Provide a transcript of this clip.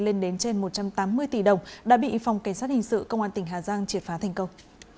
lên đến trên một trăm tám mươi tỷ đồng đã bị phòng cảnh sát hình sự công an tỉnh hà giang triệt phá thành công